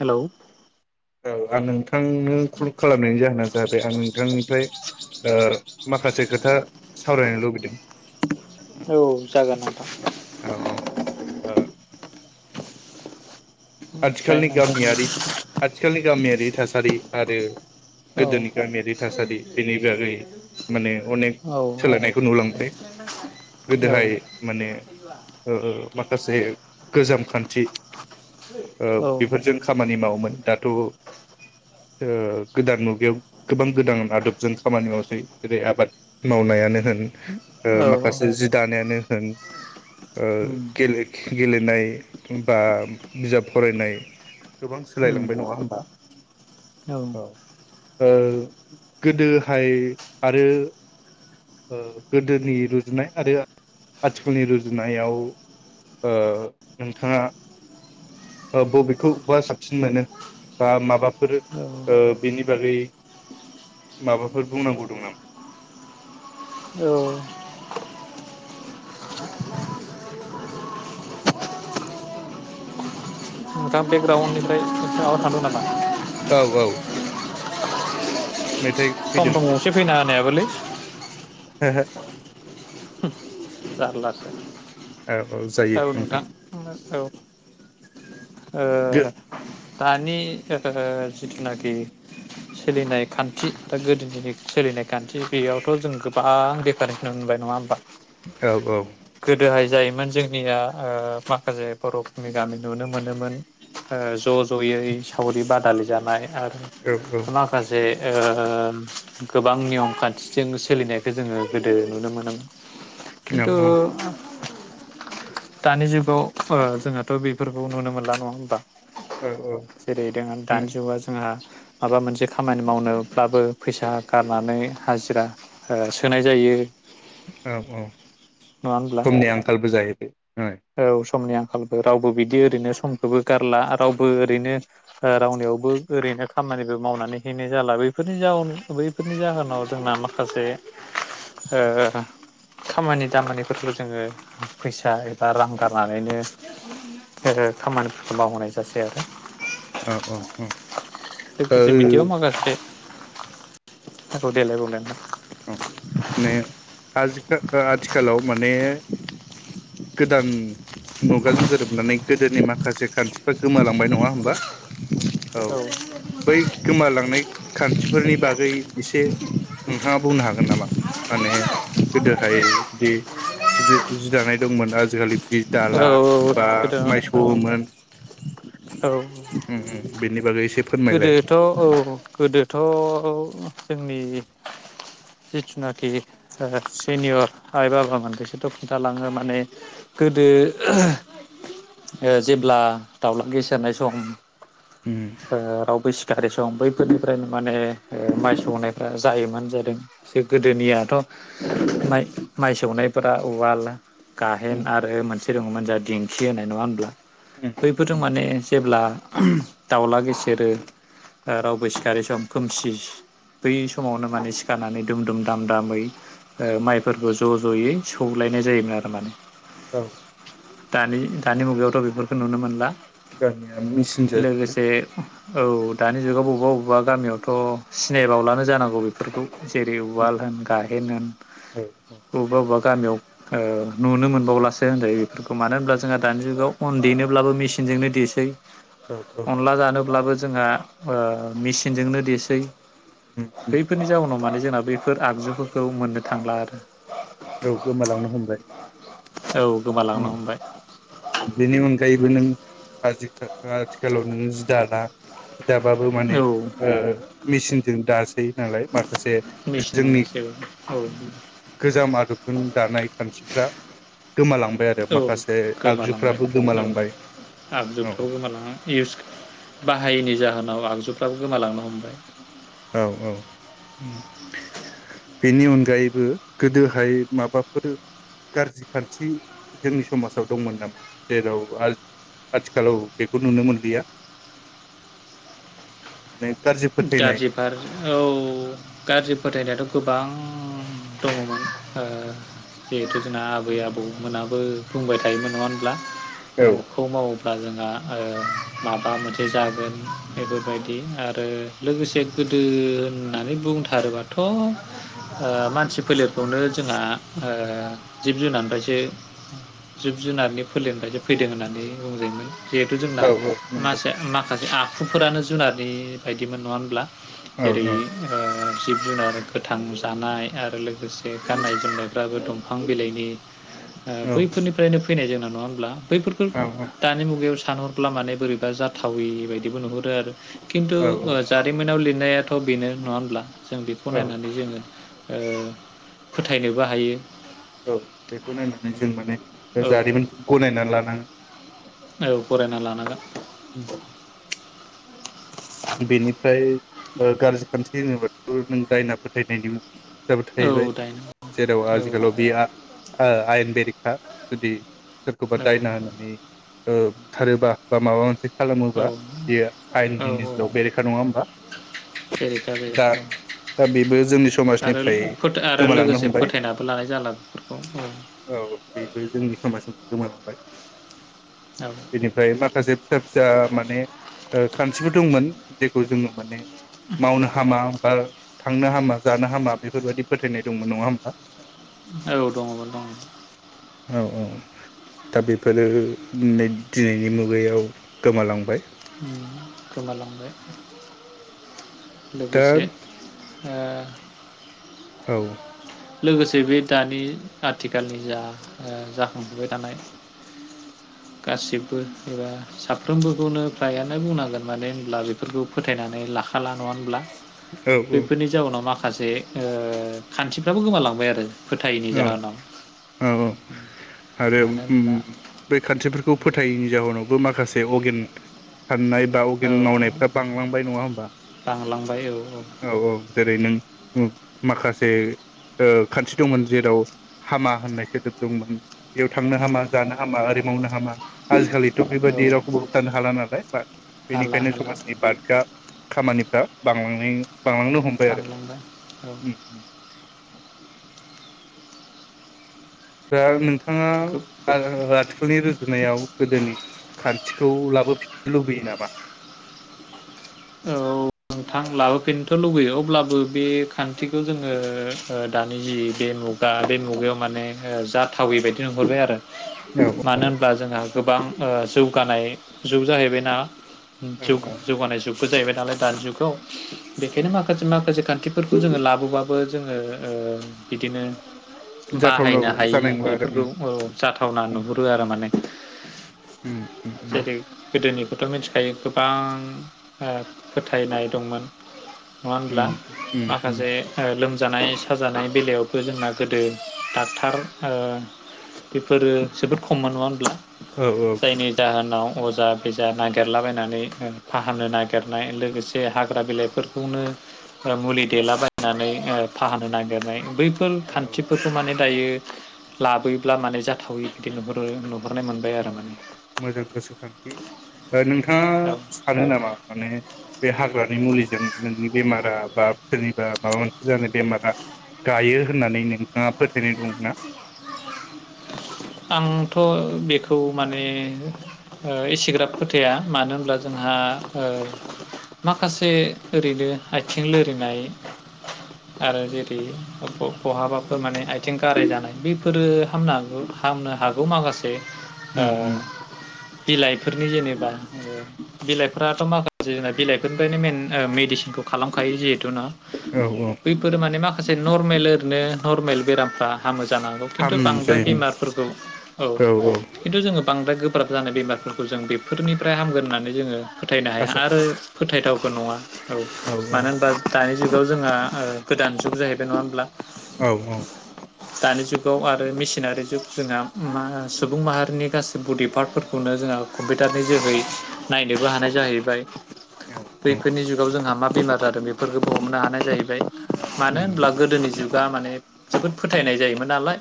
Hello. औ आं नोंथांनो कल खालामनायनि जाहोनानो जादों आं नोंथांनिफ्राय ओ माखासे खोथा सावरायनो लुबैदों। औ जागोन नोंथां ओ [inaudible] ओमफ्राय आथिखालनि नोंथां गामियारि आथिखालनि गामियारि। थासारि आरो औ गोदोनि गामियारि थासारि। बेनि बागै माने अनेक औ सोलायनायखौ नुलांबाय। औ गोदोहाय माने ओ ओ माखासे गोजाम खान्थि ओ औ बेफोरजों खामानि मावोमोन दाथ' ओ गोदान मुगायाव गोबां गोदान आदबजों खामानि मावसै जेरै आबाद मावनायानो होन ओ औ माखासे जि दानायानो ओ उम गेलेग गेलेनाय होनबा बिजाब फरायनाय गोबां उम सोलायलांबाय नंङा होमबा? औ गोदोहाय आरो ओ गोदोनि रुजुनाय आरो आथिखालनि रुजुनायाव ओ नोंथांङा ओ बबेखौ बा साबसिन मोनो बा माबाफोर ओ‌ औ बेनि बागै माबाफोर बुंनांगौ दं नामा? नोंथां नोंथां बेकग्राउन्डनिफ्राय माबा थांदों नामा? औ औ। मेथाइ फैदों थम थम गंसे फैना फैनायआबोलै। हो हो। जारलासो। औ औ जायो औ ओ दानि ओ जिथुनाखि सोलिनाय खान्थि दा गोदोनि सोलिनाय खान्थि बेयावथ' जों गोबां दिफारेन्स नुनो मोनबाय नङा होमबा? औ औ गोदोहाय जायोमोन जोंनिया ओ माखासे बर'फोरनि गामि नुनो मोनोमोन ओ ज' ज'यै सावरि बादालि जानाय आरो औ माखासे ओ गोबां नियम खान्थिजों सोलिनायखो जोङो गोदो नुनो मोनोमोन। किन्थु औ दानि जुगाव ओ जोंहाथ' बेफोरखौ नुनो मोनला नङा होमबा? औ जेरै दों दानि जुगा जोंहा माबा मोनसे खामानि मावनोब्लाबो फैसा गारनानै हाजिरा ओ सोनाय जायो। औ औ नङा होमब्ला समनि आंखालबो जायो। औ समनि आंखालबो रावबो बिदि ओरैनो समखौबो गारला रावबो ओरैनो ओ रावनियावबो ओरैनो खामानिबो मावनानै हैनाय जाला बैफोरनि जाउन बैफोरनि जाहोनाव जोंना माखासे खामानि दामानिफोरखौ जोङो फैसा बा रां गारनानैनो ओ खामानिफोरखौ मावहोनाय जासै आरो औ औ औ लोगोसे बिदियाव ओ माखासे [unintelligible] औ ने आजि खा आथिखालाव माने गोदान मुगाजों गोरोबनानै गोदोनि माखासे खान्थिफ्रा गोमालांबाय नङा होमबा? औ बै गोमालांनाय खान्थिफोरनि बागै एसे [unintelligible] नोंथाङा बुंनो हागोन नामा माने गोदोहाय बिदि जिदि जि दानाय दंमोन आजिखालि बि औ दाला बा मायसौवोमोन [inaudible] औ बिनि बागैसो गोदोथ' औ गोदोथ' जोंनि जिथुनाखि दा सेनियर आइ बाबामोन बिसोरथ' खिन्थालाङो माने गोदो जेब्ला दाउला गेसेेरनाय सम ओम ओ रावबो सिखारै सम बैफोरनिफ्रायनो माने ओ माइ सौनायफ्रा जायोमोन जादों ज गोदोनियाथ' माइ माइ सौनायफोरा उवाला गाहेन उम आरो मोनसे दङमोन जोंहा दिंखि होननाय नङा होनब्ला उम बैफोरजों उम माने जेब्ला दाउला गे सेरो रावबो सिखारै सम खोमसि बै समावनो माने सिखारनानै दुम दुम दाम दामै ओ माइफोरखौ ज' ज'यै सौलायनाय जायोमोन आरो माने। औ दानि दानि मुगायावथ' बेफोरखौ नुनो मोनला। गामिया मेचिनसो लोगोसे औ दानि जुगाव बबेबा बबेबा गामियावथ' सिनायबावलानो जानांगौ बेफोरखौ जेरै उवाल होन गाहेन होन। औ औ बबेबा बबेबा गामियाव ओ नुनो मोनबावलासो होनजायो बेखौ मानो होनब्ला औ जोंहा दानि जुगाव अन देनोब्लाबो मिसिनजोंनो देसै औ [inaudible] अनला जानो अब्लाबो जोंहा ओ मिसिनजोंनो देसै उम उम बैफोरनि जाउनाव माने जोंना बैफोर आगजुफोरखौ मोननो थांला आरो औ गोमालांनो हमबाय औ गोमालांनो हमबाय [inaudible] बेनि अनगायैबो नों [unintelligible] आथिखालाव नों जिदाना दाबाबो माने औ ओ मेसिनजों दा थायो नालाय माखा माखासे जोंनि मेचिनसो औ [inaudible] गोजाम आरो रुबजुन दानाय खान्थिफ्रा गोमालांबाय आरो औ माखासे गोमालांबाय आगजुफ्राबो औ गोमालांबाय औ आबजुफ्राव गोमाला इउस बाहायैनि जाहो नाव आगजुफ्राबो गोमालांनो हमबाय। औ औ बेनि अनगायैबो गोदोहाय माबाफोर गाज्रि खान्थि जोंनि समाजाव दंमोन नामा जेराव आथिखालाव बेखौ नुनो मोनलिया माने गाज्रि फोथायनाय औ गाज्रि फोथायनायाथ गोबां दङमोन ओ जिहेथु जोंना आबै आबौमोनाबो बुंबाय थायोमोन नङा होनब्ला औ उमुखखौ मावोब्ला जों आं ओ माबा मोनसे जागोन बेफोरबायदि आरो ओ आरो लोगोसे गोदो होननानै बुंथारोबाथ ओ मानसि फोलेरखौनो जोंहा ओ जिब जुनारनिफ्रायसो जिब जुनारनि फोलेरनिफ्रायसो फैदों होननानै बुंजायमोन जिहेथु जोंना औ औ मासे मा माखासे आखुफोरानो जुनारनि बायदिमोन नङा होनब्ला? औ जेरै ओ जिब जुनार गोथां जानाय आरो लोगोसे गाननाय जोमनायफ्राबो दंफां बिलाइनि ओ बैफोरनिफ्रायनो फैनाय जों नङा होनब्ला? बैफोरखौ दानि मुगायावसो सानहरब्ला माने बोरैबा जाथावि बायदिबो नुहरो आरो खिन्थु औ जारिमिनाव लिरनायाथ बेनो नङा होमब्ला जों बेखौ औ नायनानै जोङो ओ फोथायनोबो हायो औ बेखौ नायनानै जों माने औ जारिमिनखौ गनायनानै लानाङो औ फरायना लानांगोन। बेनिफ्राय ओ गाज्रि खान्थि होनोबा नों दायना फोथायनायनि खोथाबो थाहैबाय औ दाइन जेराव औ आजिखालाव बेयो आयेन बेरे हा जुदि सोरखौबा औ दायना होनानै बुथारोबा बा माबा मोनसे औ खालामोबा बेयो औ आयेननि औ बेरेखा नङा होमबा जेरै ।दा बेरेखा औ दा बेबो जोंनि आरो समाजनिफ्राय फोथ आरो गोमालांनो लोगोसे हमबाय फोथायनाबो लानाय जाला बेफोरखौ औ बेबो जोंनि समाजनिफ्राय गोमालां [unintelligible] औ बेनिफ्राय माखासे फिसा फिसा माने ओ खान्थिबो दंमोन। जेखौ जोङो माने मावनो हामा बा थांनो हामा जानो हामा बेफोरबायदि फोथायनाय दंमोन नङा होमबा? औ दङमोन दङ। औ औ। दा बेफोरो नै दिनैनि मुगायाव गोमालांबाय। उम गोमालांबाय। दा लोगोसे ओ औ औ। लोगोसे बे दानि आथिखालनि जा ओ जाखांफुबबाय थानाय गासिबो एबा साफ्रोमबोखौनो फ्रायानो बुंनांगोन मानो होनब्ला बेफोरखौ फोथायनानै लाखाला नङा होनब्ला? औ बेफोरनि जाउनाव माखा माखासे ओ खान्थिफ्राबो गोमालांबाय आरो। फोथायैनि औ जाहोनाव औ औ आरो मानो होनब्ला बै खान्थिफोरखौ खौ फोथायैनि जाहोनावबो माखासे अगेन साननाय बा अगेन औ मावनायफ्रा बांलांबाय नङा होमबा? बांलांबाय औ औ औ जेरै नों माखासे ओ खान्थि दंमोन जेराव हामा होननाय सोदोब दंमोन बेयाव थांनो उम हामा जानो हामा ओरै मावनो हामा थांनो हामा जानो हाया आजिखालिथ' औ बेबायाददि रावखौबो होबथानो हाला नालाय बाट हाला बेनिखायनो हाला समाजनि बादग्रा खामानिफ्रा बांलांनाय बांलांनो हमबाय आरो बांलांबाय औ उम । दा नों बिथाङा खोब आ आथिखालनि रुजुनायाव गोदोनि खान्थिखौ लाबोफिन लुबैयो नामा? औ नोंथां लाबोफैननोथ' लुबैयो अब्लाबो बे खान्थिखौ जोङो ओ दानि जि बे मुगा बे मुगायाव माने जाथावै बायदि नुहरबाय आरो औ । मानो होनब्ला जोंहा गोबां ओ जौगानाय जुग जाहैबायना औ । औ जौगानाय जुग फु जाहैबाय नालाय दानि जुगाव । बेखायनो माखासे माखासे खान्थिफोरखौ जोङो लाबोबाबो जोङो ओ बिदिनो जाथावनाव बाहायनो हायि जानाय नंला बेफोरखौ आरो औ जाथावना नुहुरो आरो माने ' उम उम उम जेरै गोदोनि खौथ' मिथिखायो गोबां ओ फोथायनाय दंमोन‌ नङा उम होनब्ला । उम उम माखासे ओ लोमज जानाय साजानाय बेलायावबो जोंना गोदो डाक्टार बेफोरो जोबोद खममोन नङा होमब्ला। औ औ जायनि जाहोनाव अजा बेजा नागिरलाबायनानै फाहामनो ना गेरनाय लोगोसे हाग्रा बिलाइफोरखौनो मुलि ओ देलाबायनानै फाहानो नागिरनाय बै फोर औ खान्थिफोरखौ माने दायो लाबोयोब्ला माने जाथावयो बिदि नुहरो । औ मोजां गोसोखांथि ओ नोंथाङा औ सानो नामा माने बे हाग्रानि मुलिजों नोंनि बेमार राबा बा सोरनिबा माबा मोनसे जानाय बेमारा गायो होननानैनो नोंथाङा फोथायनाय दं ना? आंथ' बेखौ माने ओ एसेग्राब फोथाया । मानो होनब्ला जोंहा माखासे ओरैनो आथिं लोरिनाय आरो जेरै बहाबाफोर माने आथिं गाराय जानाय बेफोरो हामनो हागौ हामनो हागौ माखासे ओ उम उम बिलाइफोरनि जेनेबा ओ बिलाइफोराथ' माखासे जोंना बिलाइफोरनिफ्रायनो मेन मेडिसिनखौ खालामखायो जिहेथु ना औ औ बैफोरो माने माखा माखासे नर्मेल ओरैनो नर्मेल बेरामफ्रा हामोसै । जानांगौ खिनथु हामनाय फ्राय जायो बेमारफोरखौ औ खिन्थु जोङो बां बांद्राय गोब्राब जानाय बेमारफोरखौ जों बेफोरनिफ्राय हामगोन होननानै जोङो फोथायनो हाया आसा आरो फोथायथाव बो नङा औ मानो होम्बा दानि जुगाव जोंहा ओ गोदान जुग जाहैदों नङा होमब्ला औ दानि जुंगाव आ रो मेचिनारि जुग जोंहा मा सुबुं माहारिनि गासै बडि पार्टफोरखौनो जोंहा कम्पिउटारनि जोहै नायनोबो हानाय जाहैबाय औ बैफोरनि जुगाव जोंहा मा बेमार जादों बेफोरखौबो हमनो हानाय जाहैबाय मानो उम होनब्ला गोदोनि जुग गा माने जोबोद फोथायनाय जायोमोन नालाय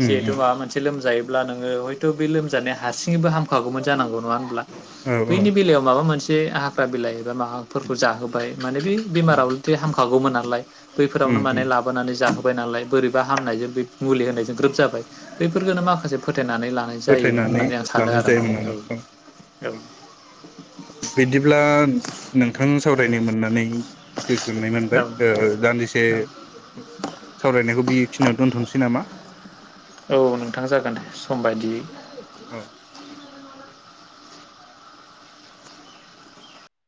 उम उम माबा मोनसे लोमजायो अब्ला नोङो हयथ' बे लोमजानाय हारसिङैबो हामखागौमोन जानांगौ नङा होनब्ला औ बैनि औ बेलायाव माबा मोनसे से हाग्रा बिलाइ एबा माबाफोरखौ जाहोबाय माने बे बेमाराउ उम लथे हामखा गौमोन नालाय बैफोरावनो उम माने लाबोनानै जाहो बाय नालाय बोरैबा हामनायजों मुलि होनायजों ग्रोब जाबाय बैफोरखौननो माखासे फो थायनानै लानाय जायोमोन फोथायनानै होननानै आं सानो लानाय आरो माने जायोमोन औ औ बिदिब्ला नोंथां सा रायनो मोननानै गोजोननाय औ मोनबाय ओ दान्दिसे औ सावरायनायखौ बि खिनिआव दोनथ'नोसै नामा औ नोंथां जागोन सम बायदियै औ